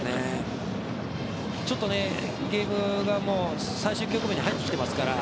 ちょっとゲームが最終局面に入ってきてますから。